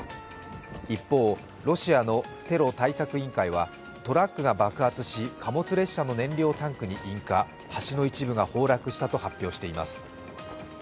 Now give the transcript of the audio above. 一方、ロシアのテロ対策委員会はトラックが爆発し、貨物列車の燃料タンクに引火、橋の一部が崩落したと発表しています。